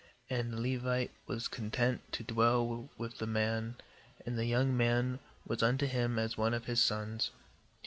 uAnd the Levite was content to dwell with the man; and the young man was unto him as one of his sons.